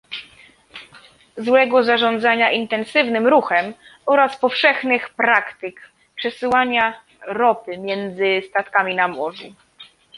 złego zarządzania intensywnym ruchem oraz powszechnych praktyk przesyłania ropy między statkami na morzu